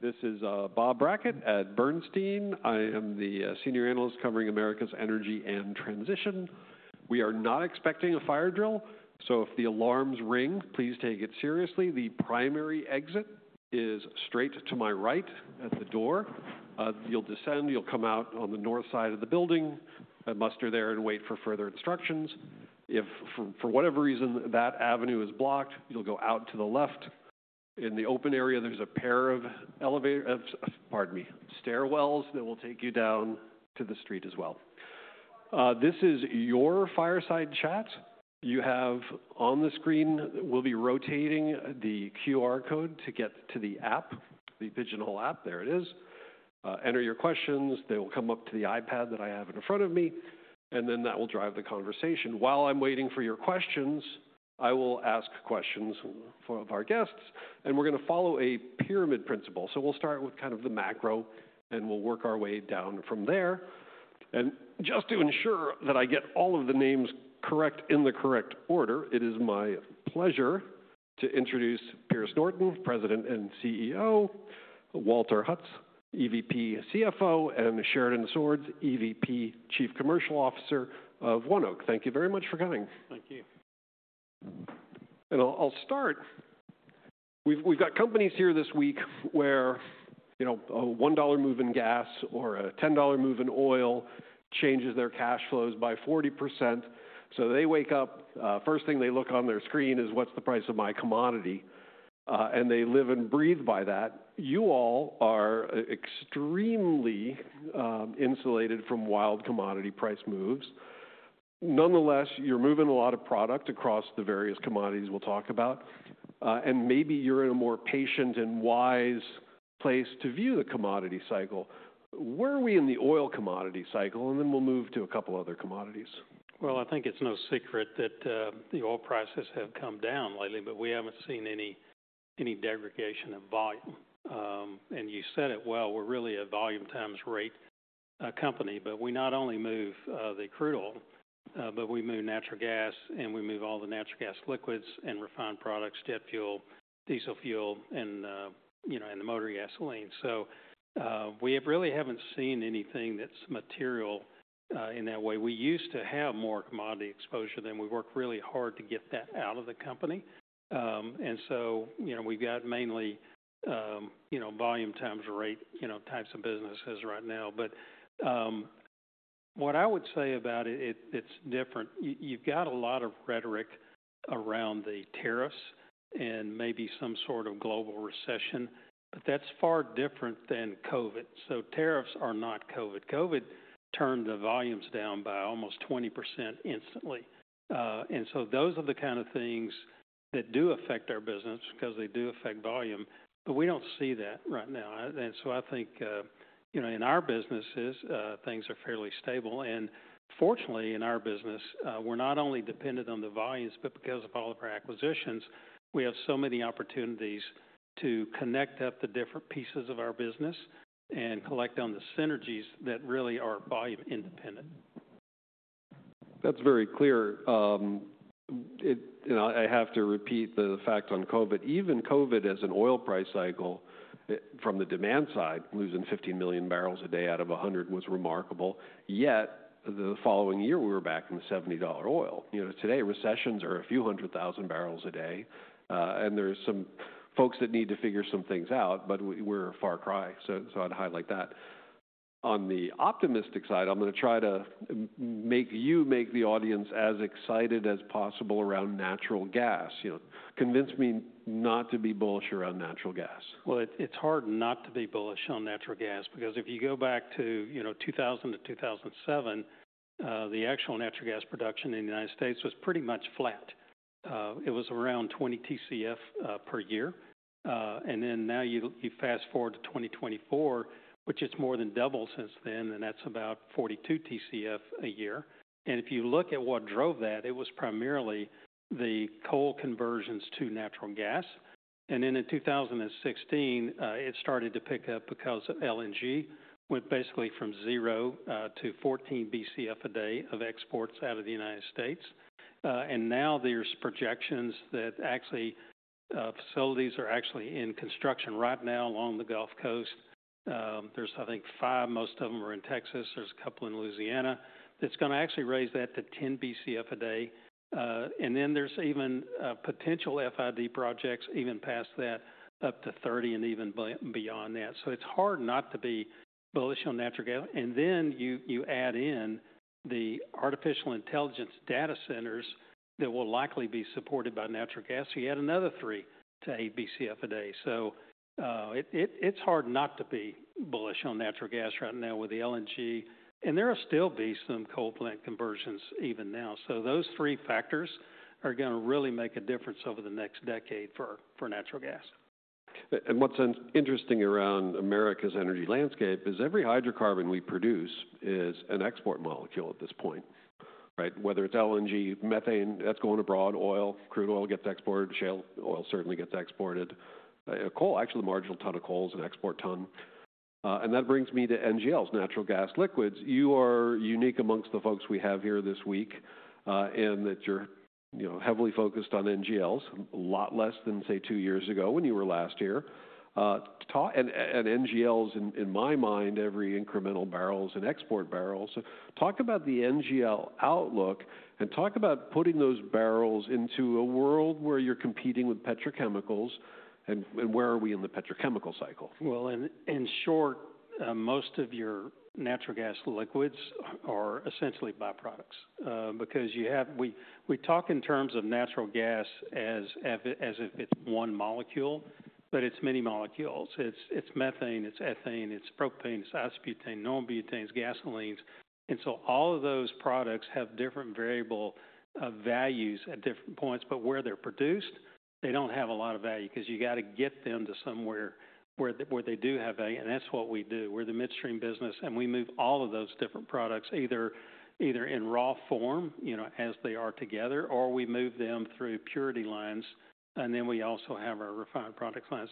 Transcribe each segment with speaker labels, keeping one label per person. Speaker 1: Good afternoon. This is Bob Brackett at Bernstein. I am the Senior Analyst Covering America's Energy and Transition. We are not expecting a fire drill, so if the alarms ring, please take it seriously. The primary exit is straight to my right at the door. You'll descend, you'll come out on the north side of the building, muster there and wait for further instructions. If, for whatever reason, that avenue is blocked, you'll go out to the left. In the open area, there's a pair of elevator—uh, pardon me—stairwells that will take you down to the street as well. This is your fireside chat. You have on the screen—we'll be rotating the QR code to get to the app, the Pigeonhole app. There it is. Enter your questions. They will come up to the iPad that I have in front of me, and then that will drive the conversation. While I'm waiting for your questions, I will ask questions for our guests, and we're gonna follow a pyramid principle. We'll start with kind of the macro, and we'll work our way down from there. Just to ensure that I get all of the names correct in the correct order, it is my pleasure to introduce Pierce Norton, President and CEO; Walter Hulse, EVP CFO; and Sheridan Swords, EVP Chief Commercial Officer of ONEOK. Thank you very much for coming.
Speaker 2: Thank you.
Speaker 1: I'll start. We've got companies here this week where, you know, a $1 move in gas or a $10 move in oil changes their cash flows by 40%. They wake up, first thing they look on their screen is, "What's the price of my commodity?" and they live and breathe by that. You all are extremely insulated from wild commodity price moves. Nonetheless, you're moving a lot of product across the various commodities we'll talk about, and maybe you're in a more patient and wise place to view the commodity cycle. Where are we in the oil commodity cycle? Then we'll move to a couple other commodities.
Speaker 2: I think it's no secret that the oil prices have come down lately, but we haven't seen any degradation of volume. You said it well, we're really a volume times rate company. We not only move the crude, but we move natural gas, and we move all the natural gas liquids and refined products, jet fuel, diesel fuel, and, you know, the motor gasoline. We really haven't seen anything that's material in that way. We used to have more commodity exposure, then we worked really hard to get that out of the company. You know, we've got mainly, you know, volume times rate, you know, types of businesses right now. What I would say about it, it's different. You, you've got a lot of rhetoric around the tariffs and maybe some sort of global recession, but that's far different than COVID. Tariffs are not COVID. COVID turned the volumes down by almost 20% instantly. Those are the kind of things that do affect our business because they do affect volume, but we don't see that right now. I think, you know, in our businesses, things are fairly stable. Fortunately, in our business, we're not only dependent on the volumes, but because of all of our acquisitions, we have so many opportunities to connect up the different pieces of our business and collect on the synergies that really are volume independent.
Speaker 1: That's very clear. You know, I have to repeat the fact on COVID. Even COVID, as an oil price cycle, from the demand side, losing 15 million barrels a day out of 100 was remarkable. Yet the following year, we were back in the $70 oil. You know, today, recessions are a few hundred thousand barrels a day, and there's some folks that need to figure some things out, but we're a far cry. I'd highlight that. On the optimistic side, I'm gonna try to make you, make the audience as excited as possible around natural gas. You know, convince me not to be bullish around natural gas.
Speaker 2: It is hard not to be bullish on natural gas because if you go back to, you know, 20002007, the actual natural gas production in the United States was pretty much flat. It was around 20 TCF per year. And then now you fast forward to 2024, which, it is more than doubled since then, and that is about 42 TCF a year. If you look at what drove that, it was primarily the coal conversions to natural gas. Then in 2016, it started to pick up because LNG went basically from zero to 14 BCF a day of exports out of the United States Now there are projections that actually, facilities are actually in construction right now along the Gulf Coast. There are, I think, five—most of them are in Texas. There are a couple in Louisiana. That is going to actually raise that to 10 BCF a day. And then there's even potential FID projects even past that, up to 30 and even beyond that. It's hard not to be bullish on natural gas. You add in the artificial intelligence data centers that will likely be supported by natural gas, so you add another 3-8 BCF a day. It's hard not to be bullish on natural gas right now with the LNG. There will still be some coal plant conversions even now. Those three factors are going to really make a difference over the next decade for natural gas.
Speaker 1: What's interesting around America's energy landscape is every hydrocarbon we produce is an export molecule at this point, right? Whether it's LNG, methane that's going abroad, oil, crude oil gets exported, shale oil certainly gets exported. Coal, actually, the marginal ton of coal is an export ton. That brings me to NGLs, natural gas liquids. You are unique amongst the folks we have here this week, in that you're, you know, heavily focused on NGLs, a lot less than, say, two years ago when you were last here. And NGLs, in my mind, every incremental barrel is an export barrel. Talk about the NGL outlook and talk about putting those barrels into a world where you're competing with petrochemicals and where are we in the petrochemical cycle?
Speaker 2: In short, most of your natural gas liquids are essentially byproducts, because you have—we talk in terms of natural gas as if it's one molecule, but it's many molecules. It's methane, it's ethane, it's propane, it's isobutane, normal butanes, gasolines. All of those products have different variable values at different points, but where they're produced, they do not have a lot of value because you gotta get them to somewhere where they do have value. That's what we do. We're the midstream business, and we move all of those different products either in raw form, you know, as they are together, or we move them through purity lines, and then we also have our refined products line.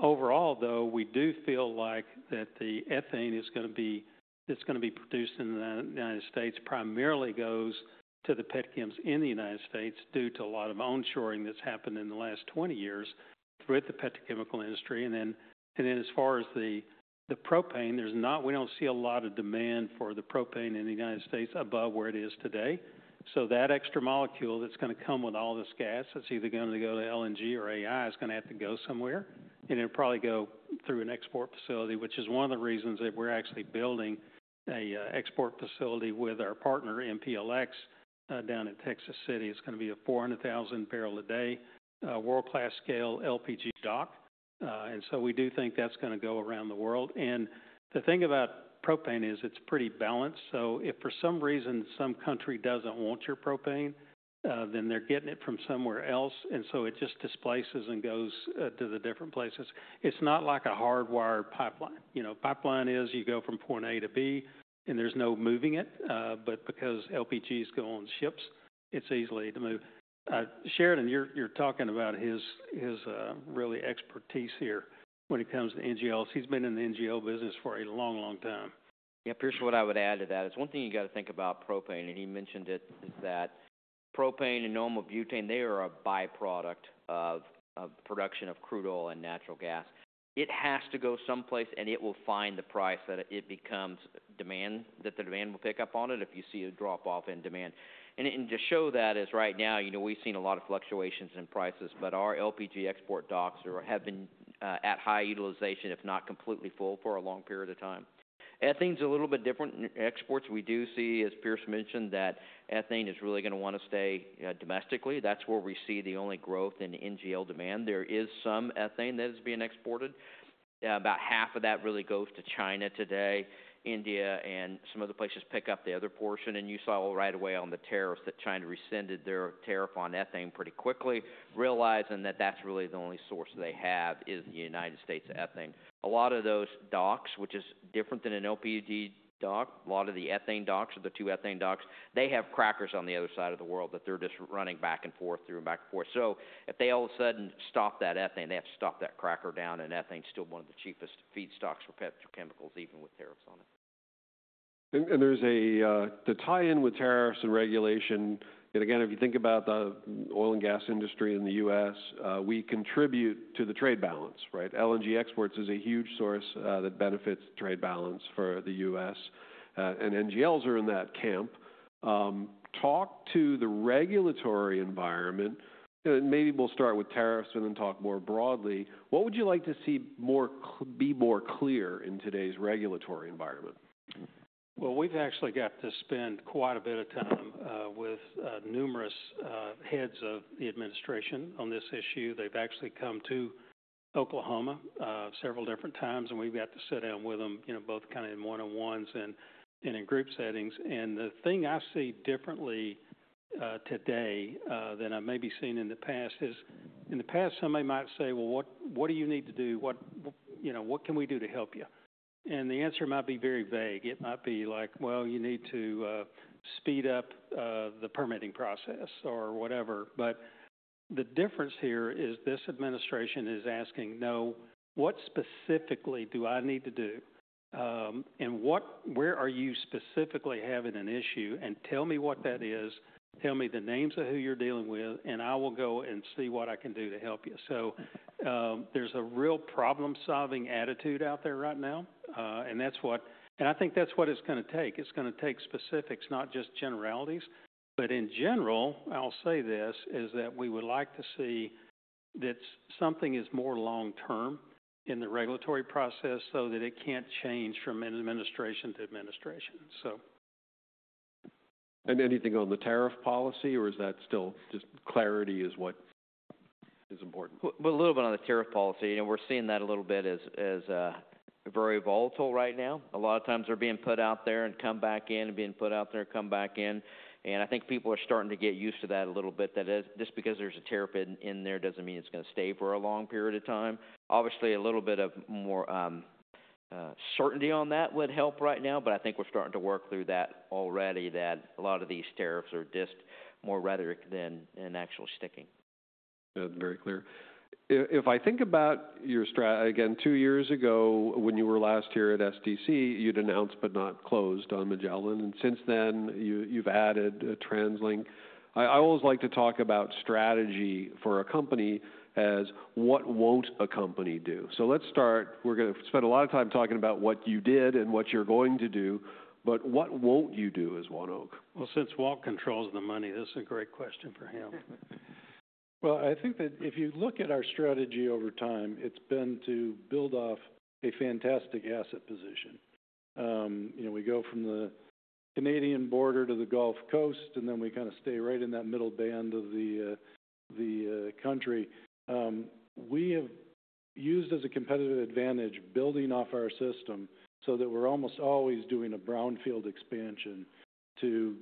Speaker 2: Overall, though, we do feel like the ethane is gonna be—it's gonna be produced in the United States and primarily goes to the petchems in the United States due to a lot of onshoring that's happened in the last 20 years with the petrochemical industry. Then, as far as the propane, there's not—we do not see a lot of demand for the propane in the U.S. above where it is today. That extra molecule that's gonna come with all this gas that's either gonna go to LNG or AI is gonna have to go somewhere, and it will probably go through an export facility, which is one of the reasons that we are actually building an export facility with our partner, MPLX, down in Texas City. It is gonna be a 400,000 barrel a day, world-class scale LPG dock. We do think that's gonna go around the world. The thing about propane is it's pretty balanced. If for some reason some country doesn't want your propane, then they're getting it from somewhere else, and it just displaces and goes to the different places. It's not like a hardwired pipeline. You know, pipeline is you go from point A to B, and there's no moving it. Because LPGs go on ships, it's easy to move. Sheridan, you're talking about his, his, really expertise here when it comes to NGLs. He's been in the NGL business for a long, long time.
Speaker 3: Yeah. Pierce, what I would add to that is one thing you gotta think about propane, and he mentioned it, is that propane and normal butane, they are a byproduct of production of crude oil and natural gas. It has to go someplace, and it will find the price that it becomes demand that the demand will pick up on it if you see a drop-off in demand. To show that is right now, you know, we've seen a lot of fluctuations in prices, but our LPG export docks are at high utilization, if not completely full for a long period of time. Ethane's a little bit different. Exports, we do see, as Pierce mentioned, that ethane is really gonna wanna stay domestically. That's where we see the only growth in NGL demand. There is some ethane that is being exported. About half of that really goes to China today, India, and some other places pick up the other portion. You saw right away on the tariffs that China rescinded their tariff on ethane pretty quickly, realizing that that's really the only source they have is the United States ethane. A lot of those docks, which is different than an LPG dock, a lot of the ethane docks or the two ethane docks, they have crackers on the other side of the world that they're just running back and forth through and back and forth. If they all of a sudden stop that ethane, they have to stop that cracker down, and ethane's still one of the cheapest feedstocks for petrochemicals, even with tariffs on it.
Speaker 1: There is a tie-in with tariffs and regulation. If you think about the oil and gas industry in the U.S., we contribute to the trade balance, right? LNG exports are a huge source that benefits the trade balance for the U.S., and NGLs are in that camp. Talk to the regulatory environment. Maybe we will start with tariffs and then talk more broadly. What would you like to see be more clear in today's regulatory environment?
Speaker 2: We've actually got to spend quite a bit of time with numerous heads of the administration on this issue. They've actually come to Oklahoma several different times, and we've got to sit down with them, you know, both kinda in one-on-ones and in group settings. The thing I see differently today than I may be seeing in the past is in the past, somebody might say, "What, what do you need to do? What, you know, what can we do to help you?" The answer might be very vague. It might be like, "You need to speed up the permitting process or whatever." The difference here is this administration is asking, "No, what specifically do I need to do? And where are you specifically having an issue? Tell me what that is. Tell me the names of who you're dealing with, and I will go and see what I can do to help you." There is a real problem-solving attitude out there right now, and I think that's what it's gonna take. It's gonna take specifics, not just generalities, but in general, I'll say this is that we would like to see that something is more long-term in the regulatory process so that it can't change from administration to administration.
Speaker 1: Anything on the tariff policy, or is that still just clarity is what is important?
Speaker 3: A little bit on the tariff policy. You know, we're seeing that a little bit as, as, very volatile right now. A lot of times they're being put out there and come back in and being put out there and come back in. I think people are starting to get used to that a little bit. That is just because there's a tariff in, in there doesn't mean it's gonna stay for a long period of time. Obviously, a little bit of more certainty on that would help right now, but I think we're starting to work through that already, that a lot of these tariffs are just more rather than an actual sticking.
Speaker 1: That's very clear. If I think about your stra, again, two years ago when you were last here at SDC, you'd announced but not closed on Magellan. And since then, you've added EnLink. I always like to talk about strategy for a company as what won't a company do. Let's start. We're gonna spend a lot of time talking about what you did and what you're going to do, but what won't you do as ONEOK?
Speaker 2: Since Walt controls the money, this is a great question for him.
Speaker 4: I think that if you look at our strategy over time, it's been to build off a fantastic asset position. You know, we go from the Canadian border to the Gulf Coast, and then we kinda stay right in that middle band of the country. We have used as a competitive advantage building off our system so that we're almost always doing a brownfield expansion to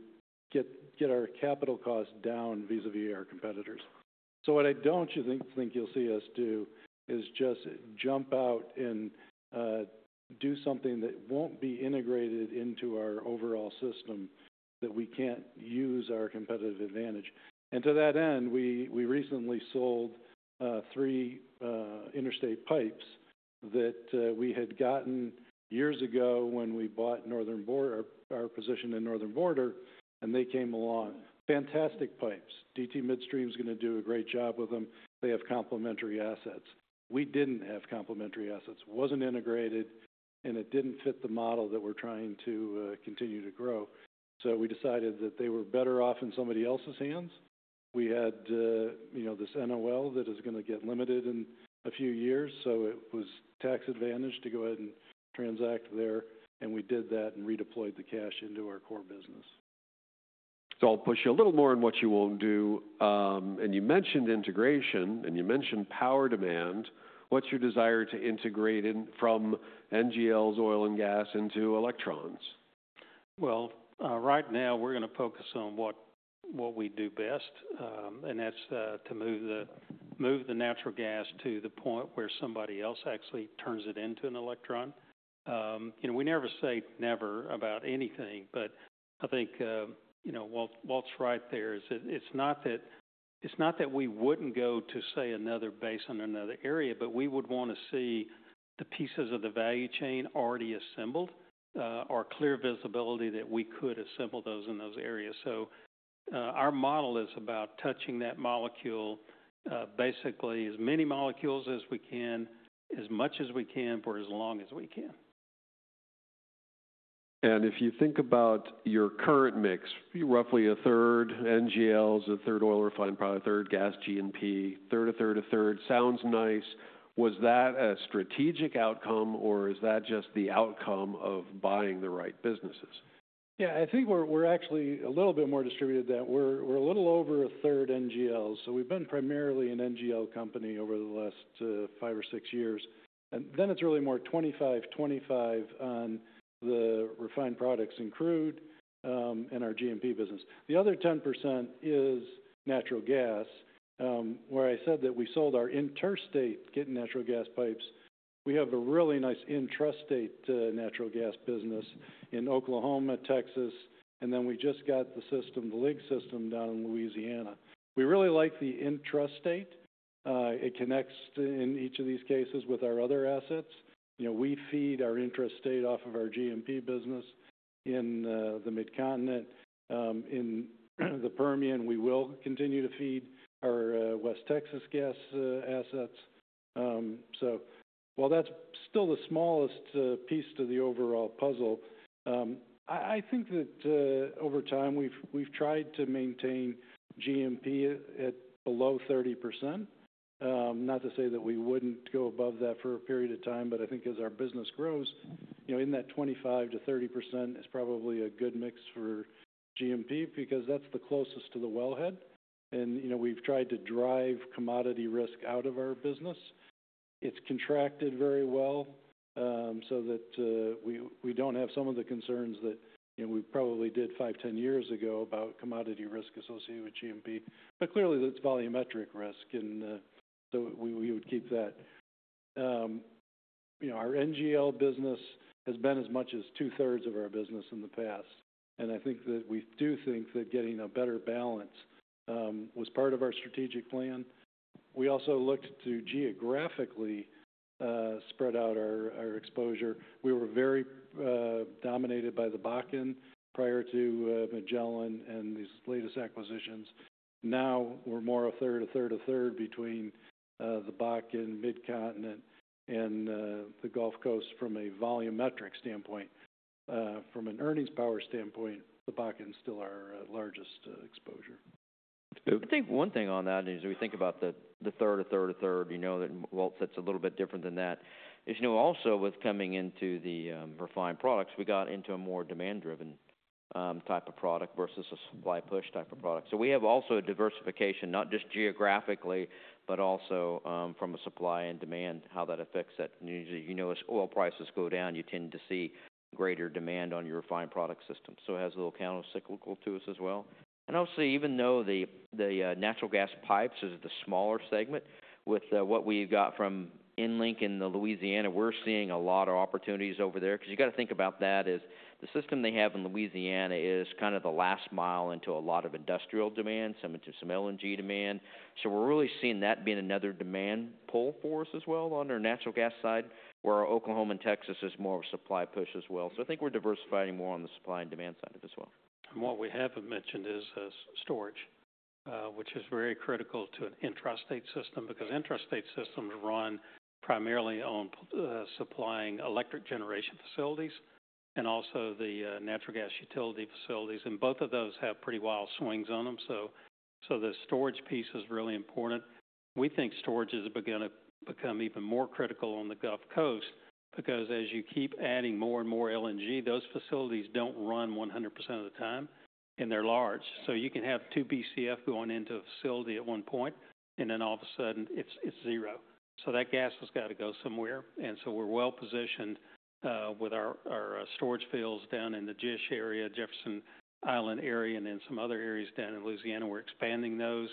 Speaker 4: get our capital costs down vis-à-vis our competitors. What I don't think you'll see us do is just jump out and do something that won't be integrated into our overall system that we can't use our competitive advantage. To that end, we recently sold three interstate pipes that we had gotten years ago when we bought our position in Northern Border, and they came along. Fantastic pipes. DT Midstream's gonna do a great job with them. They have complementary assets. We didn't have complementary assets. Wasn't integrated, and it didn't fit the model that we're trying to, continue to grow. We decided that they were better off in somebody else's hands. We had, you know, this NOL that is gonna get limited in a few years, so it was tax advantage to go ahead and transact there. We did that and redeployed the cash into our core business.
Speaker 1: I'll push you a little more on what you will do. You mentioned integration, and you mentioned power demand. What's your desire to integrate in from NGLs, oil and gas into electrons?
Speaker 4: Right now we're gonna focus on what we do best, and that's to move the natural gas to the point where somebody else actually turns it into an electron. You know, we never say never about anything, but I think, you know, Walt's right. It's not that we wouldn't go to, say, another base in another area, but we would want to see the pieces of the value chain already assembled, or clear visibility that we could assemble those in those areas. Our model is about touching that molecule, basically as many molecules as we can, as much as we can for as long as we can.
Speaker 1: If you think about your current mix, roughly a third NGLs, a third oil refined product, a third gas, G&P, a third, a third, a third, sounds nice. Was that a strategic outcome, or is that just the outcome of buying the right businesses?
Speaker 4: Yeah. I think we're actually a little bit more distributed than we're, we're a little over a third NGLs. So we've been primarily an NGL company over the last five or six years. And then it's really more 25%, 25% on the refined products and crude, and our G&P business. The other 10% is natural gas, where I said that we sold our interstate natural gas pipes. We have a really nice intrastate natural gas business in Oklahoma, Texas, and then we just got the system, the LIG system down in Louisiana. We really like the intrastate. It connects in each of these cases with our other assets. You know, we feed our intrastate off of our G&P business in the Midcontinent. In the Permian, we will continue to feed our West Texas gas assets. That's still the smallest piece to the overall puzzle. I think that, over time, we've tried to maintain G&P at below 30%. Not to say that we wouldn't go above that for a period of time, but I think as our business grows, you know, in that 25%-30% is probably a good mix for G&P because that's the closest to the wellhead. And, you know, we've tried to drive commodity risk out of our business. It's contracted very well, so that we don't have some of the concerns that, you know, we probably did 5-10 years ago about commodity risk associated with G&P. Clearly that's volumetric risk, and we would keep that. You know, our NGL business has been as much as two-thirds of our business in the past. I think that we do think that getting a better balance was part of our strategic plan. We also looked to geographically spread out our exposure. We were very dominated by the Bakken prior to Magellan and these latest acquisitions. Now we are more a third, a third, a third between the Bakken, Midcontinent, and the Gulf Coast from a volumetric standpoint. From an earnings power standpoint, the Bakken is still our largest exposure.
Speaker 3: I think one thing on that is we think about the third, a third, a third, you know, that Walt sets a little bit different than that is, you know, also with coming into the refined products, we got into a more demand-driven type of product versus a supply push type of product. So we have also a diversification, not just geographically, but also, from a supply and demand, how that affects that. Usually, you know, as oil prices go down, you tend to see greater demand on your refined product system. It has a little countercyclical to us as well. Obviously, even though the natural gas pipes is the smaller segment, with what we've got from EnLink in Louisiana, we're seeing a lot of opportunities over there because you gotta think about that as the system they have in Louisiana is kind of the last mile into a lot of industrial demand, some into some LNG demand. We're really seeing that being another demand pull for us as well on our natural gas side, where Oklahoma and Texas is more of a supply push as well. I think we're diversifying more on the supply and demand side of it as well.
Speaker 2: What we have not mentioned is storage, which is very critical to an intrastate system because intrastate systems run primarily on supplying electric generation facilities and also the natural gas utility facilities. Both of those have pretty wild swings on them. The storage piece is really important. We think storage has begun to become even more critical on the Gulf Coast because as you keep adding more and more LNG, those facilities do not run 100% of the time and they are large. You can have 2 BCF going into a facility at one point, and then all of a sudden it is zero. That gas has got to go somewhere. We are well positioned with our storage fields down in the Jefferson Island area and then some other areas down in Louisiana. We are expanding those.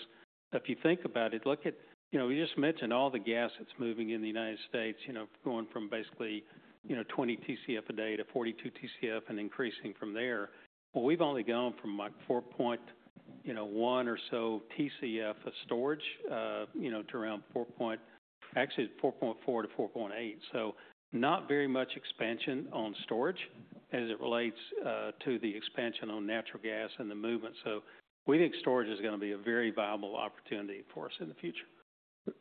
Speaker 2: If you think about it, look at, you know, we just mentioned all the gas that's moving in the United States, you know, going from basically, you know, 20 TCF a day to 42 TCF and increasing from there. We have only gone from, like, 4.1 or so TCF of storage, you know, to around 4. actually 4.4-4.8. Not very much expansion on storage as it relates to the expansion on natural gas and the movement. We think storage is gonna be a very viable opportunity for us in the future.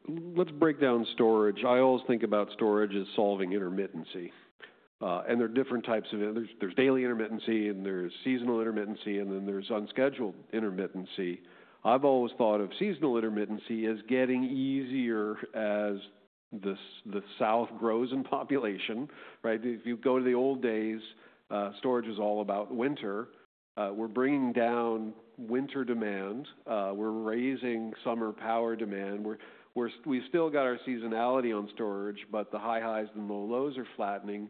Speaker 1: Let's break down storage. I always think about storage as solving intermittency, and there are different types of, there's daily intermittency and there's seasonal intermittency, and then there's unscheduled intermittency. I've always thought of seasonal intermittency as getting easier as the south grows in population, right? If you go to the old days, storage is all about winter. We're bringing down winter demand. We're raising summer power demand. We still got our seasonality on storage, but the high highs and low lows are flattening.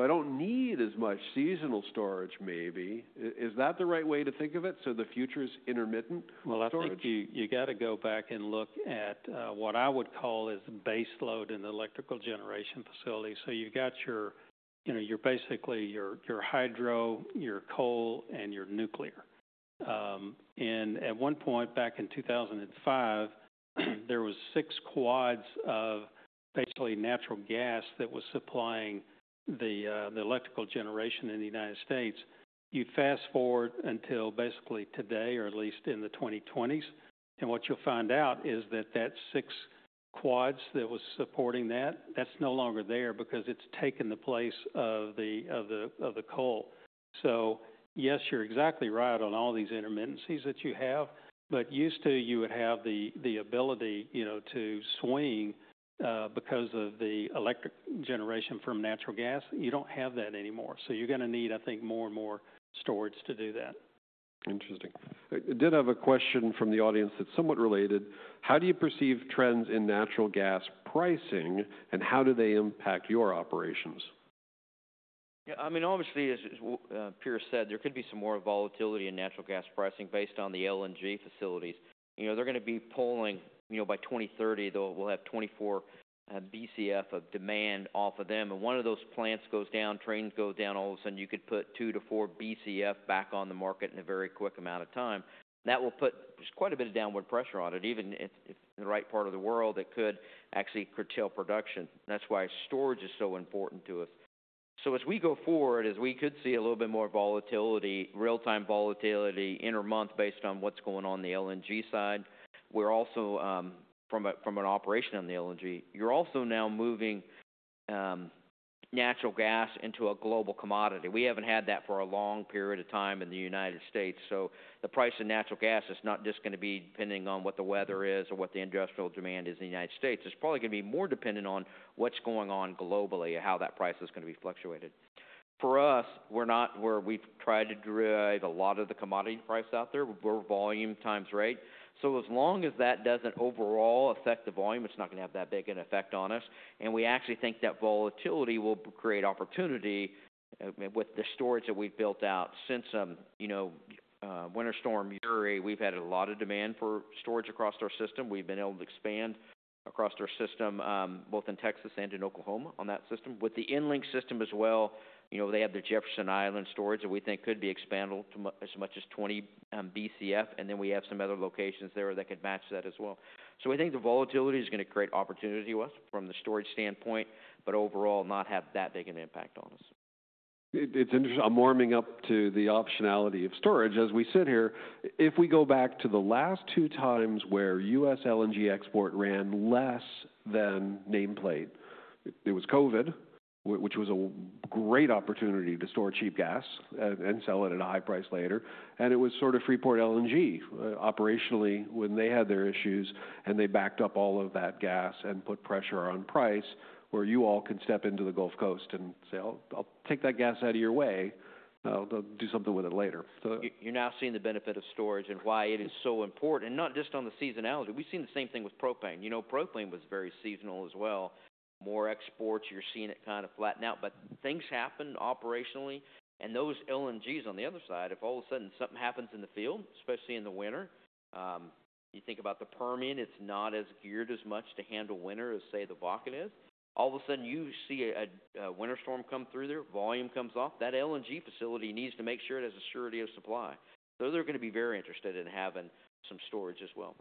Speaker 1: I don't need as much seasonal storage maybe. Is that the right way to think of it? The future is intermittent storage?
Speaker 2: I think you gotta go back and look at what I would call the baseload in the electrical generation facility. You have your, you know, basically your hydro, your coal, and your nuclear. At one point back in 2005, there were six quads of basically natural gas that was supplying the electrical generation in the United States. You fast forward until basically today, or at least in the 2020s, and what you'll find out is that that six quads that was supporting that, that's no longer there because it's taken the place of the coal. Yes, you're exactly right on all these intermittencies that you have, but used to you would have the ability, you know, to swing because of the electric generation from natural gas. You don't have that anymore. You're gonna need, I think, more and more storage to do that.
Speaker 1: Interesting. I did have a question from the audience that is somewhat related. How do you perceive trends in natural gas pricing, and how do they impact your operations?
Speaker 3: Yeah. I mean, obviously, as Pierce said, there could be some more volatility in natural gas pricing based on the LNG facilities. You know, they're gonna be pulling, you know, by 2030, we'll have 24 BCF of demand off of them. If one of those plants goes down, trains go down, all of a sudden you could put 2-4 BCF back on the market in a very quick amount of time. That will put just quite a bit of downward pressure on it. Even if in the right part of the world, it could actually curtail production. That's why storage is so important to us. As we go forward, as we could see a little bit more volatility, real-time volatility inner month based on what's going on the LNG side, we're also, from an operation on the LNG, you're also now moving natural gas into a global commodity. We haven't had that for a long period of time in the United States. The price of natural gas is not just gonna be depending on what the weather is or what the industrial demand is in the United States. It's probably gonna be more dependent on what's going on globally, how that price is gonna be fluctuated. For us, we've tried to drive a lot of the commodity price out there. We're volume times rate. As long as that doesn't overall affect the volume, it's not gonna have that big an effect on us. We actually think that volatility will create opportunity with the storage that we have built out since, you know, winter storm Uri. We have had a lot of demand for storage across our system. We have been able to expand across our system, both in Texas and in Oklahoma on that system. With the EnLink system as well, you know, they have the Jefferson Island storage that we think could be expanded to as much as 20 BCF. We have some other locations there that could match that as well. We think the volatility is going to create opportunity from the storage standpoint, but overall not have that big an impact on us.
Speaker 1: It, it's interesting. I'm warming up to the optionality of storage as we sit here. If we go back to the last two times where U.S. LNG export ran less than nameplate, it was COVID, which was a great opportunity to store cheap gas and, and sell it at a high price later. It was sort of Freeport LNG, operationally when they had their issues and they backed up all of that gas and put pressure on price where you all could step into the Gulf Coast and say, "I'll, I'll take that gas outta your way. I'll, I'll do something with it later.
Speaker 3: You, you're now seeing the benefit of storage and why it is so important, and not just on the seasonality. We've seen the same thing with propane. You know, propane was very seasonal as well. More exports. You're seeing it kind of flatten out, but things happen operationally. Those LNGs on the other side, if all of a sudden something happens in the field, especially in the winter, you think about the Permian, it's not as geared as much to handle winter as say the Bakken is. All of a sudden you see a winter storm come through there, volume comes off. That LNG facility needs to make sure it has a surety of supply. Those are gonna be very interested in having some storage as well.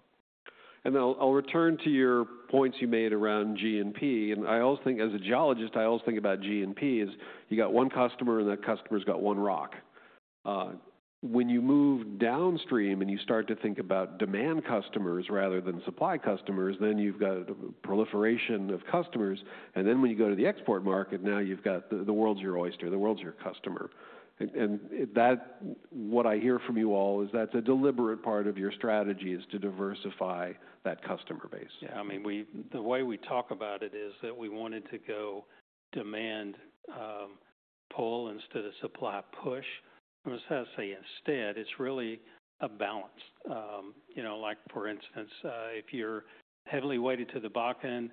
Speaker 1: I'll return to your points you made around G&P. I always think as a geologist, I always think about G&P as you got one customer and that customer's got one rock. When you move downstream and you start to think about demand customers rather than supply customers, then you've got a proliferation of customers. When you go to the export market, now you've got the, the world's your oyster, the world's your customer. What I hear from you all is that's a deliberate part of your strategy is to diversify that customer base.
Speaker 2: Yeah. I mean, the way we talk about it is that we wanted to go demand pull instead of supply push. I was gonna say instead it's really a balance. You know, like for instance, if you're heavily weighted to the Bakken and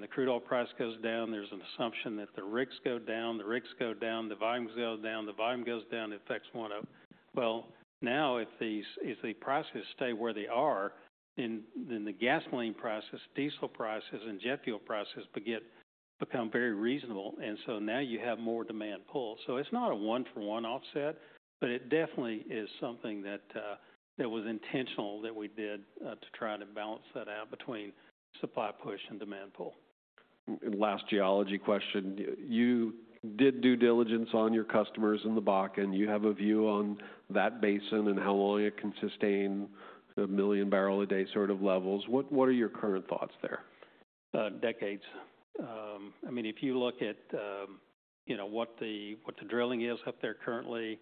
Speaker 2: the crude oil price goes down, there's an assumption that the rigs go down, the rigs go down, the volumes go down, the volume goes down, it affects one of, well, now if these, if the prices stay where they are, then the gasoline prices, diesel prices, and jet fuel prices become very reasonable. And now you have more demand pull. It's not a one-for-one offset, but it definitely is something that was intentional that we did, to try to balance that out between supply push and demand pull.
Speaker 1: Last geology question. You did due diligence on your customers in the Bakken. You have a view on that basin and how long it can sustain a million barrel a day sort of levels. What are your current thoughts there?
Speaker 2: decades. I mean, if you look at, you know, what the drilling is up there currently,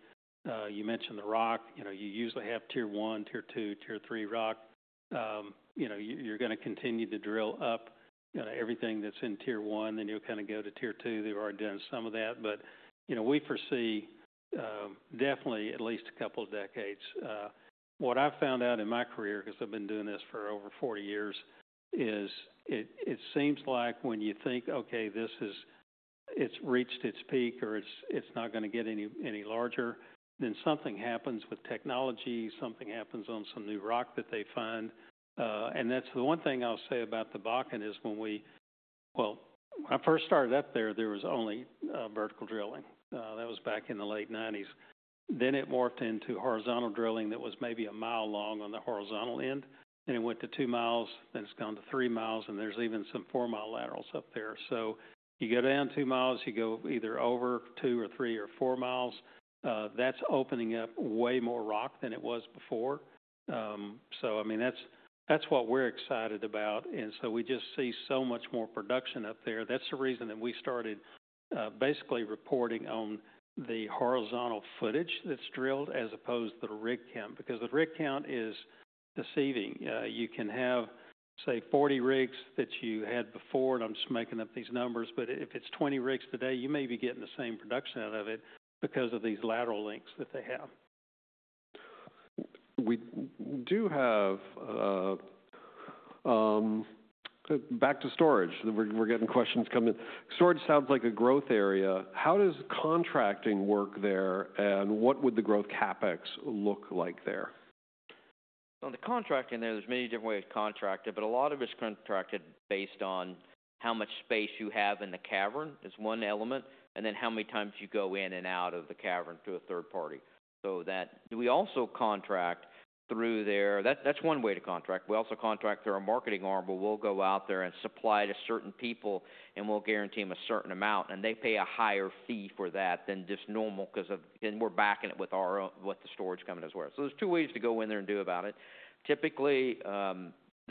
Speaker 2: you mentioned the rock, you know, you usually have tier one, tier two, tier three rock. You know, you're gonna continue to drill up, you know, everything that's in tier one, then you'll kind of go to tier two. They've already done some of that. You know, we foresee definitely at least a couple of decades. What I've found out in my career, 'cause I've been doing this for over 40 years, is it seems like when you think, okay, this is, it's reached its peak or it's not gonna get any larger, then something happens with technology, something happens on some new rock that they find. That's the one thing I'll say about the Bakken is when we, well, when I first started up there, there was only vertical drilling. That was back in the late 1990s. Then it morphed into horizontal drilling that was maybe a mile long on the horizontal end, and it went to two miles, then it's gone to three miles, and there's even some four-mile laterals up there. You go down two miles, you go either over two or three or four miles, that's opening up way more rock than it was before. I mean, that's what we're excited about. We just see so much more production up there. That's the reason that we started basically reporting on the horizontal footage that's drilled as opposed to the rig count because the rig count is deceiving. You can have, say, 40 rigs that you had before, and I'm just making up these numbers, but if it's 20 rigs today, you may be getting the same production out of it because of these lateral lengths that they have.
Speaker 1: We do have, back to storage. We're getting questions coming. Storage sounds like a growth area. How does contracting work there and what would the growth CapEx look like there?
Speaker 3: On the contracting there, there's many different ways to contract it, but a lot of it's contracted based on how much space you have in the cavern is one element, and then how many times you go in and out of the cavern through a third party. We also contract through there. That's one way to contract. We also contract through our marketing arm, but we'll go out there and supply to certain people and we'll guarantee 'em a certain amount. They pay a higher fee for that than just normal 'cause of, and we're backing it with our own, with the storage coming as well. There's two ways to go in there and do about it. Typically, the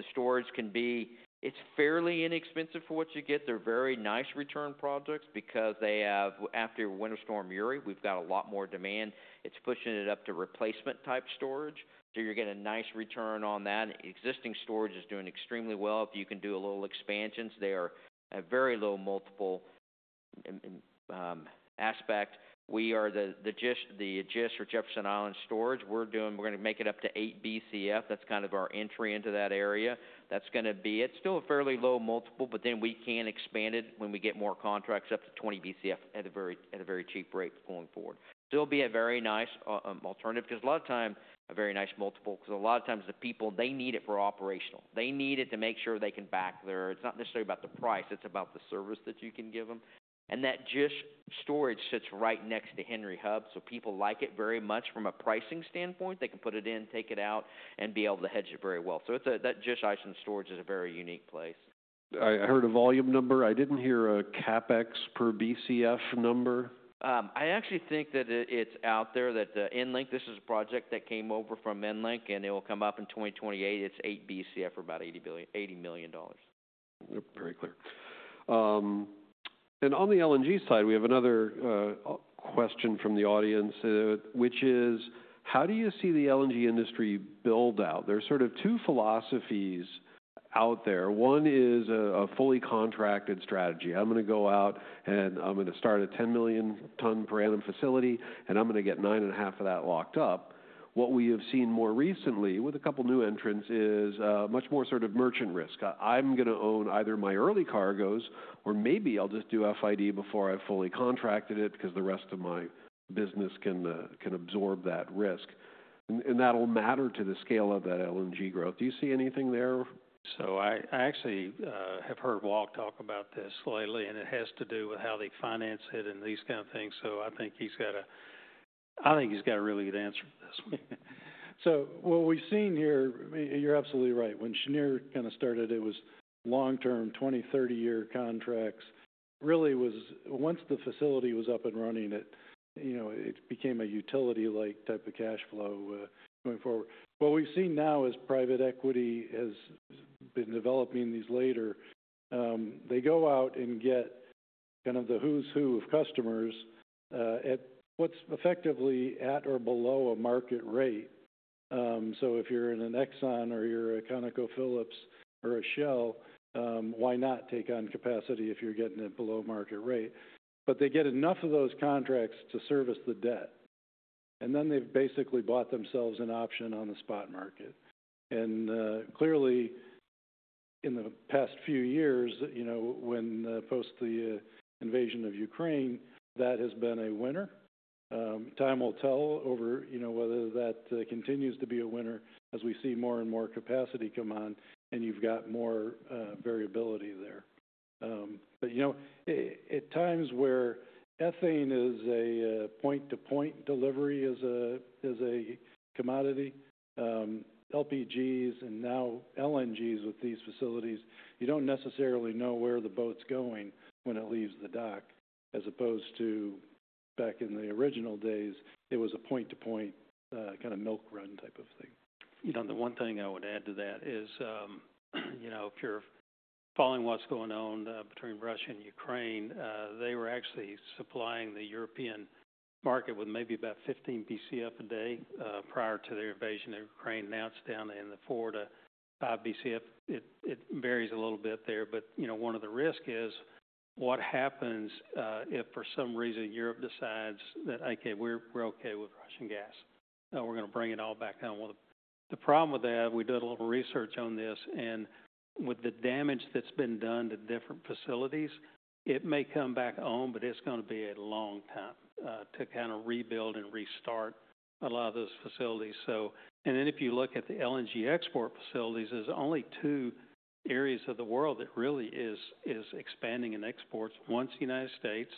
Speaker 3: storage can be, it's fairly inexpensive for what you get. They're very nice return projects because they have, after winter storm Uri, we've got a lot more demand. It's pushing it up to replacement type storage. So you're getting a nice return on that. Existing storage is doing extremely well. If you can do a little expansions, they are a very low multiple in aspect. We are the Jefferson Island storage. We're doing, we're gonna make it up to 8 BCF. That's kind of our entry into that area. That's gonna be, it's still a fairly low multiple, but then we can expand it when we get more contracts up to 20 BCF at a very, at a very cheap rate going forward. Still be a very nice alternative 'cause a lot of time. A very nice multiple 'cause a lot of times the people, they need it for operational. They need it to make sure they can back there. It's not necessarily about the price, it's about the service that you can give 'em. And that Jefferson Island storage sits right next to Henry Hub. So people like it very much from a pricing standpoint. They can put it in, take it out, and be able to hedge it very well. So it's a, that Jefferson Island storage is a very unique place.
Speaker 1: I heard a volume number. I didn't hear a CapEx per BCF number.
Speaker 3: I actually think that it, it's out there that the EnLink, this is a project that came over from EnLink and it'll come up in 2028. It's 8 BCF for about $80 million.
Speaker 1: Yep. Very clear. On the LNG side, we have another question from the audience, which is how do you see the LNG industry build out? There are sort of two philosophies out there. One is a fully contracted strategy. I'm gonna go out and I'm gonna start a 10 million ton per annum facility and I'm gonna get nine and a half of that locked up. What we have seen more recently with a couple new entrants is much more sort of merchant risk. I'm gonna own either my early cargoes or maybe I'll just do FID before I've fully contracted it because the rest of my business can absorb that risk. That will matter to the scale of that LNG growth. Do you see anything there?
Speaker 2: I actually have heard Walt talk about this lately and it has to do with how they finance it and these kind of things. I think he's got a, I think he's got a really good answer for this.
Speaker 4: What we've seen here, you're absolutely right. When Cheniere kind of started, it was long-term 20-30 year contracts. Really, once the facility was up and running, it became a utility-like type of cash flow going forward. What we've seen now is private equity has been developing these later. They go out and get kind of the who's who of customers at what's effectively at or below a market rate. If you're an Exxon or you're a ConocoPhillips or a Shell, why not take on capacity if you're getting it below market rate? They get enough of those contracts to service the debt. Then they've basically bought themselves an option on the spot market. Clearly, in the past few years, post the invasion of Ukraine, that has been a winner. Time will tell over, you know, whether that continues to be a winner as we see more and more capacity come on and you've got more variability there. But you know, at times where ethane is a point-to-point delivery, is a commodity, LPGs and now LNGs with these facilities, you do not necessarily know where the boat's going when it leaves the dock as opposed to back in the original days, it was a point-to-point, kind of milk run type of thing.
Speaker 2: You know, the one thing I would add to that is, you know, if you're following what's going on between Russia and Ukraine, they were actually supplying the European market with maybe about 15 BCF a day, prior to their invasion of Ukraine. Now it's down in the 4-5 BCF. It varies a little bit there, but you know, one of the risks is what happens, if for some reason Europe decides that, okay, we're, we're okay with Russian gas, we're gonna bring it all back down. The problem with that, we did a little research on this and with the damage that's been done to different facilities, it may come back on, but it's gonna be a long time to kind of rebuild and restart a lot of those facilities. If you look at the LNG export facilities, there are only two areas of the world that really are expanding in exports. One is the United States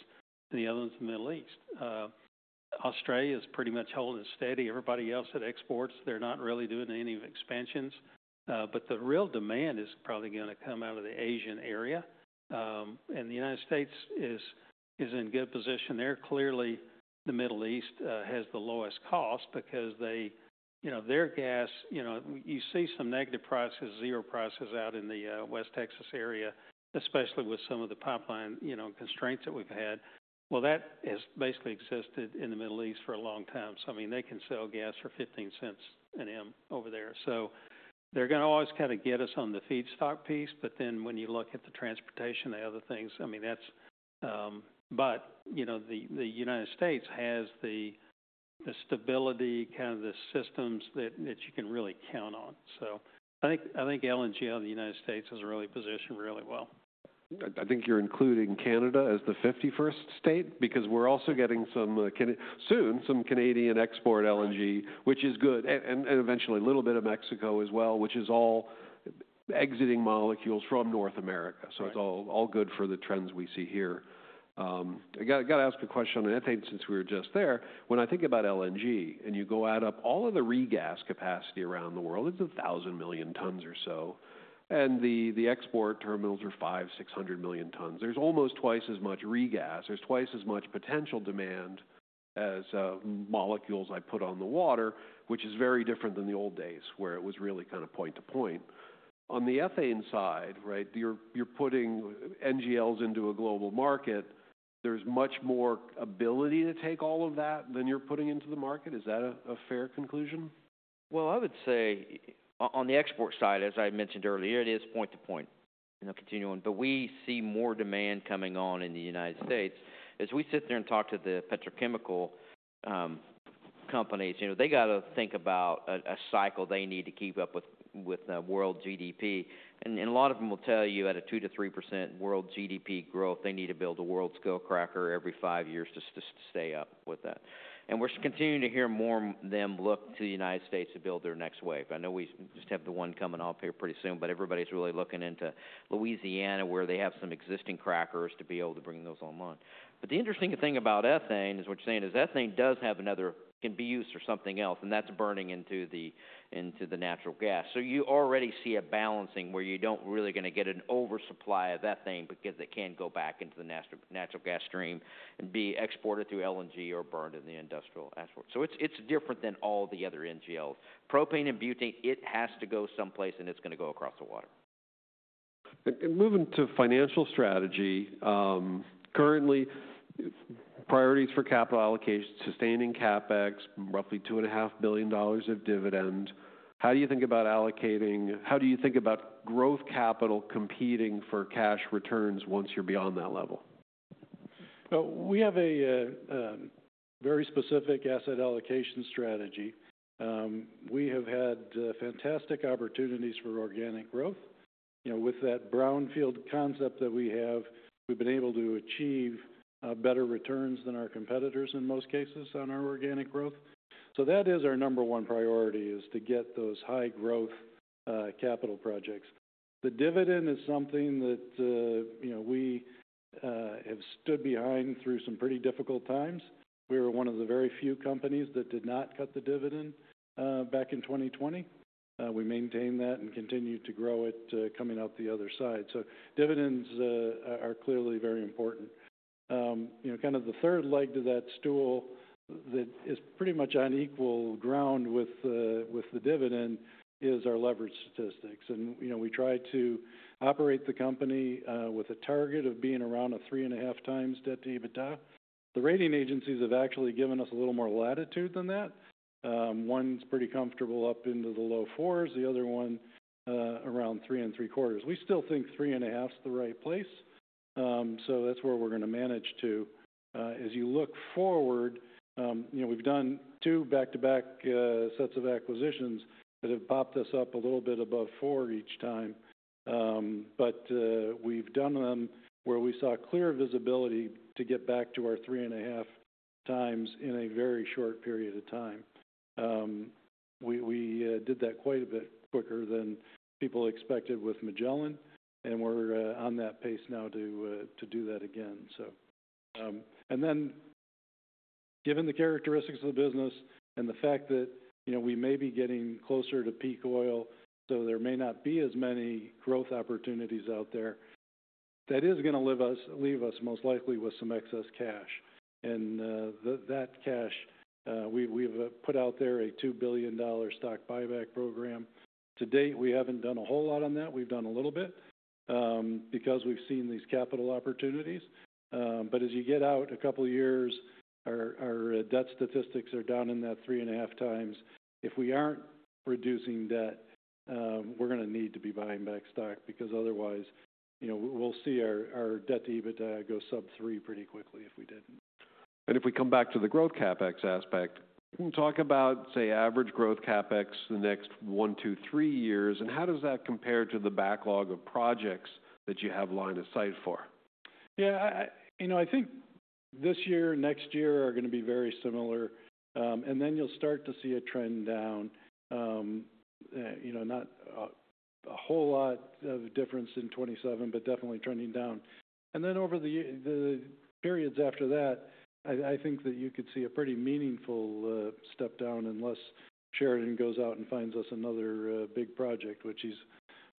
Speaker 2: and the other one is the Middle East. Australia is pretty much holding steady. Everybody else that exports, they are not really doing any expansions. The real demand is probably going to come out of the Asian area. The United States is in good position there. Clearly the Middle East has the lowest cost because they, you know, their gas, you know, you see some negative prices, zero prices out in the West Texas area, especially with some of the pipeline constraints that we have had. That has basically existed in the Middle East for a long time. I mean, they can sell gas for 15 cents an M over there. They're gonna always kind of get us on the feedstock piece. But then when you look at the transportation, the other things, I mean, that's, you know, the United States has the stability, kind of the systems that you can really count on. I think LNG out of the United States is really positioned really well.
Speaker 1: I think you're including Canada as the 51st state because we're also getting some, soon some Canadian export LNG, which is good. And eventually a little bit of Mexico as well, which is all exiting molecules from North America. So it's all good for the trends we see here. I gotta ask a question on ethane since we were just there. When I think about LNG and you go add up all of the regas capacity around the world, it's 1,000 million tons or so. And the export terminals are 500-600 million tons. There's almost twice as much regas. There's twice as much potential demand as molecules I put on the water, which is very different than the old days where it was really kind of point to point. On the ethane side, right, you're putting NGLs into a global market. There's much more ability to take all of that than you're putting into the market. Is that a fair conclusion?
Speaker 3: I would say on the export side, as I mentioned earlier, it is point to point, you know, continuing. We see more demand coming on in the United States. As we sit there and talk to the petrochemical companies, you know, they gotta think about a cycle they need to keep up with, with world GDP. A lot of 'em will tell you at a 2%-3% world GDP growth, they need to build a world scale cracker every five years just to stay up with that. We are continuing to hear more of them look to the United States to build their next wave. I know we just have the one coming up here pretty soon, but everybody's really looking into Louisiana where they have some existing crackers to be able to bring those online. The interesting thing about ethane is what you're saying is ethane does have another, can be used for something else, and that's burning into the natural gas. You already see a balancing where you don't really get an oversupply of ethane because it can go back into the natural gas stream and be exported through LNG or burned in the industrial export. It's different than all the other NGLs. Propane and butane, it has to go someplace and it's gonna go across the water.
Speaker 1: Moving to financial strategy, currently priorities for capital allocation, sustaining CapEx, roughly $2.5 billion of dividend. How do you think about allocating? How do you think about growth capital competing for cash returns once you're beyond that level?
Speaker 4: We have a very specific asset allocation strategy. We have had fantastic opportunities for organic growth. You know, with that brownfield concept that we have, we have been able to achieve better returns than our competitors in most cases on our organic growth. That is our number one priority, to get those high growth capital projects. The dividend is something that, you know, we have stood behind through some pretty difficult times. We were one of the very few companies that did not cut the dividend back in 2020. We maintained that and continued to grow it, coming out the other side. Dividends are clearly very important. You know, kind of the third leg to that stool that is pretty much on equal ground with the dividend is our leverage statistics. You know, we try to operate the company with a target of being around a three and a half times debt to EBITDA. The rating agencies have actually given us a little more latitude than that. One's pretty comfortable up into the low fours. The other one, around three and three quarters. We still think three and a half's the right place, so that's where we're gonna manage to. As you look forward, you know, we've done two back-to-back sets of acquisitions that have popped us up a little bit above four each time, but we've done them where we saw clear visibility to get back to our three and a half times in a very short period of time. We did that quite a bit quicker than people expected with Magellan, and we're on that pace now to do that again. Given the characteristics of the business and the fact that, you know, we may be getting closer to peak oil, so there may not be as many growth opportunities out there, that is gonna leave us most likely with some excess cash. That cash, we've put out there a $2 billion stock buyback program. To date, we haven't done a whole lot on that. We've done a little bit, because we've seen these capital opportunities. As you get out a couple years, our debt statistics are down in that three and a half times. If we aren't reducing debt, we're gonna need to be buying back stock because otherwise, you know, we'll see our debt EBITDA go sub three pretty quickly if we didn't.
Speaker 1: If we come back to the growth CapEx aspect, talk about, say, average growth CapEx the next one, two, three years. How does that compare to the backlog of projects that you have lined a site for?
Speaker 4: Yeah, I, you know, I think this year, next year are gonna be very similar, and then you'll start to see a trend down. You know, not a whole lot of difference in 2027, but definitely trending down. Over the periods after that, I think that you could see a pretty meaningful step down unless Sheridan goes out and finds us another big project, which he's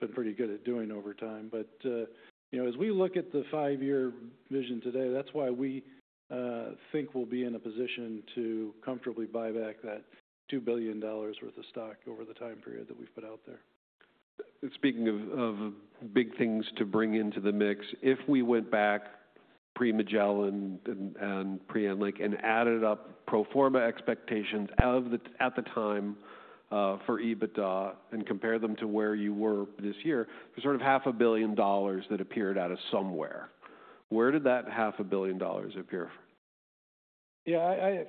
Speaker 4: been pretty good at doing over time. You know, as we look at the five-year vision today, that's why we think we'll be in a position to comfortably buy back that $2 billion worth of stock over the time period that we've put out there.
Speaker 1: Speaking of big things to bring into the mix, if we went back pre-Magellan and pre-EnLink and added up pro forma expectations out of the, at the time, for EBITDA and compared them to where you were this year, there's sort of $500,000,000 that appeared out of somewhere. Where did that $500,000,000 appear from?
Speaker 4: Yeah,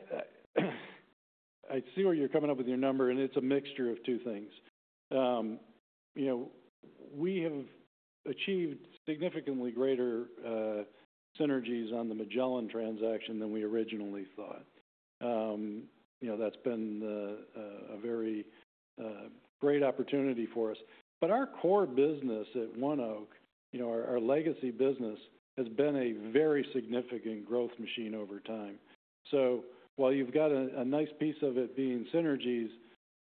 Speaker 4: I see where you're coming up with your number and it's a mixture of two things. You know, we have achieved significantly greater synergies on the Magellan transaction than we originally thought. You know, that's been a very great opportunity for us. Our core business at ONEOK, our legacy business, has been a very significant growth machine over time. While you've got a nice piece of it being synergies,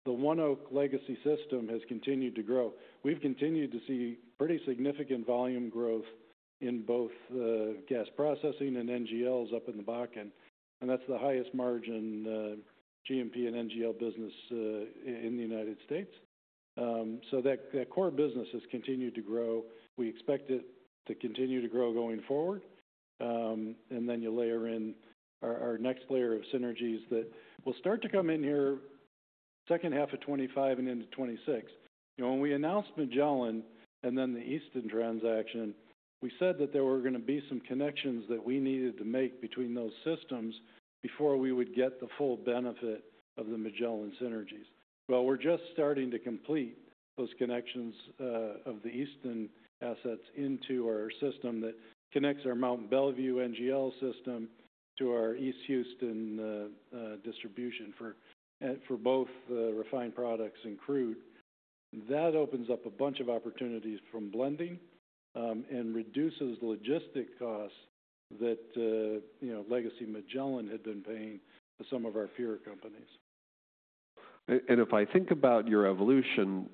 Speaker 4: the ONEOK legacy system has continued to grow. We've continued to see pretty significant volume growth in both gas processing and NGLs up in the Bakken. That's the highest margin G&P and NGL business in the United States. That core business has continued to grow. We expect it to continue to grow going forward. and then you layer in our next layer of synergies that will start to come in here second half of 2025 and into 2026. You know, when we announced Magellan and then the Easton transaction, we said that there were gonna be some connections that we needed to make between those systems before we would get the full benefit of the Magellan synergies. We are just starting to complete those connections, of the Easton assets into our system that connects our Mont Belvieu NGL system to our East Houston distribution for both refined products and crude. That opens up a bunch of opportunities from blending, and reduces the logistic costs that, you know, legacy Magellan had been paying to some of our fewer companies.
Speaker 1: If I think about your evolution,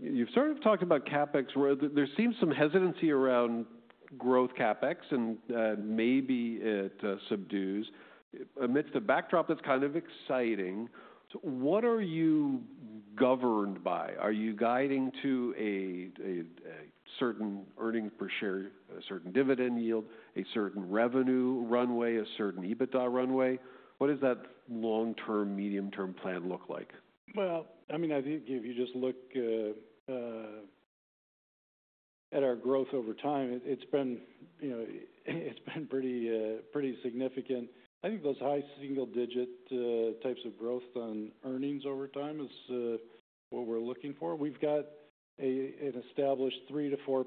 Speaker 1: you've sort of talked about CapEx where there seems some hesitancy around growth CapEx and maybe it subdues amidst a backdrop that's kind of exciting. What are you governed by? Are you guiding to a certain earnings per share, a certain dividend yield, a certain revenue runway, a certain EBITDA runway? What does that long-term, medium-term plan look like?
Speaker 4: I mean, I think if you just look at our growth over time, it's been, you know, it's been pretty, pretty significant. I think those high single-digit types of growth on earnings over time is what we're looking for. We've got an established 3-4%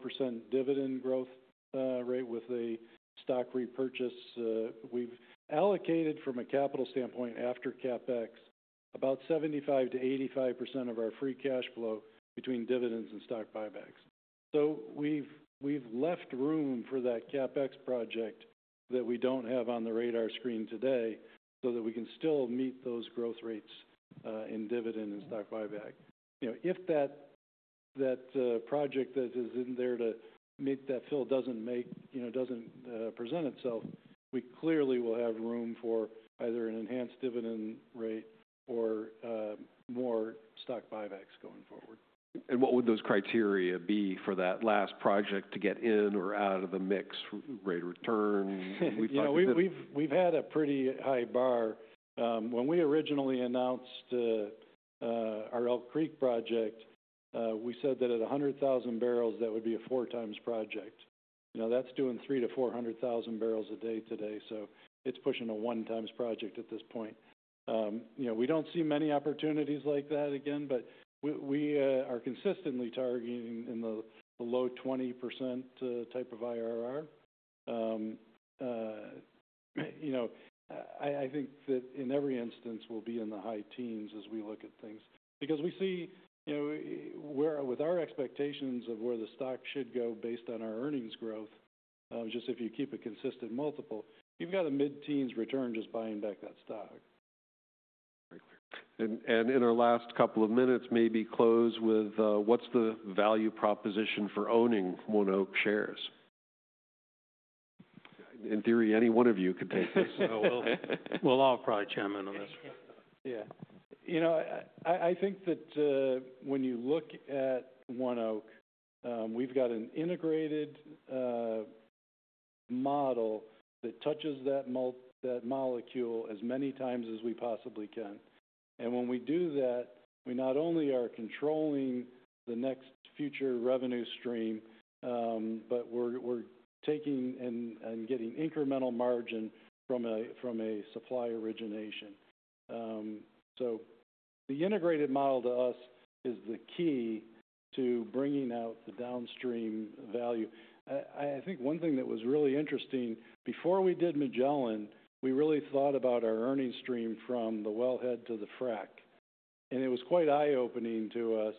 Speaker 4: dividend growth rate with a stock repurchase. We've allocated from a capital standpoint after CapEx about 75-85% of our free cash flow between dividends and stock buybacks. We've left room for that CapEx project that we don't have on the radar screen today so that we can still meet those growth rates in dividend and stock buyback. You know, if that project that is in there to meet that fill doesn't make, you know, doesn't present itself, we clearly will have room for either an enhanced dividend rate or more stock buybacks going forward.
Speaker 1: What would those criteria be for that last project to get in or out of the mix? Rate of return? We've talked about that.
Speaker 4: You know, we've had a pretty high bar. When we originally announced our Elk Creek project, we said that at 100,000 barrels, that would be a four times project. You know, that's doing 300,000-400,000 barrels a day today. So it's pushing a one times project at this point. You know, we don't see many opportunities like that again, but we are consistently targeting in the low 20% type of IRR. You know, I think that in every instance we'll be in the high teens as we look at things because we see, you know, we're with our expectations of where the stock should go based on our earnings growth. Just if you keep a consistent multiple, you've got a mid-teens return just buying back that stock.
Speaker 1: Very clear. In our last couple of minutes, maybe close with, what's the value proposition for owning ONEOK shares? In theory, any one of you could take this.
Speaker 2: We'll all probably chime in on this.
Speaker 4: Yeah. You know, I think that, when you look at ONEOK, we've got an integrated model that touches that molecule as many times as we possibly can. And when we do that, we not only are controlling the next future revenue stream, but we're taking and getting incremental margin from a supply origination. So the integrated model to us is the key to bringing out the downstream value. I think one thing that was really interesting before we did Magellan, we really thought about our earnings stream from the wellhead to the frack. And it was quite eye-opening to us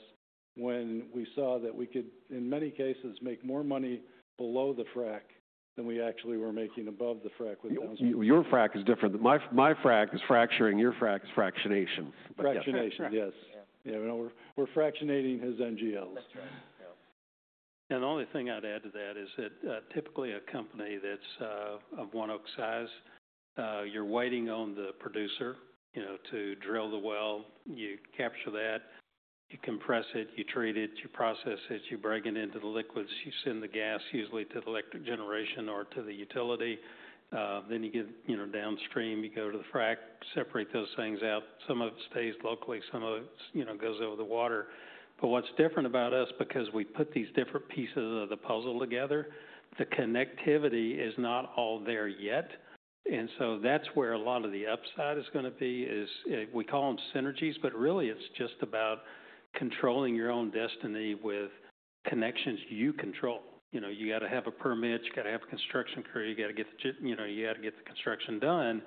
Speaker 4: when we saw that we could, in many cases, make more money below the frack than we actually were making above the frack with.
Speaker 1: Your frack is different. My frack is fracturing. Your frack is fractionation.
Speaker 4: Fractionation. Yes. Yeah. You know, we're, we're fractionating his NGLs.
Speaker 2: That's right. Yeah. The only thing I'd add to that is that, typically a company that's, of ONEOK size, you're waiting on the producer, you know, to drill the well, you capture that, you compress it, you treat it, you process it, you bring it into the liquids, you send the gas usually to the electric generation or to the utility. Then you get, you know, downstream, you go to the frack, separate those things out. Some of it stays locally, some of it, you know, goes over the water. What's different about us, because we put these different pieces of the puzzle together, the connectivity is not all there yet. That's where a lot of the upside is gonna be is, we call 'em synergies, but really it's just about controlling your own destiny with connections you control. You know, you gotta have a permit, you gotta have a construction crew, you gotta get the, you know, you gotta get the construction done,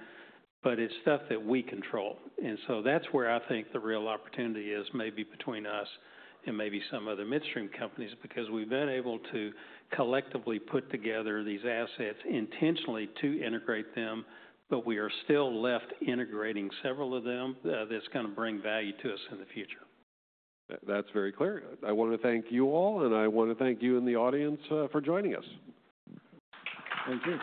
Speaker 2: but it's stuff that we control. That is where I think the real opportunity is maybe between us and maybe some other midstream companies because we've been able to collectively put together these assets intentionally to integrate them, but we are still left integrating several of them, that's gonna bring value to us in the future.
Speaker 1: That's very clear. I wanted to thank you all, and I want to thank you in the audience, for joining us.
Speaker 4: Thank you.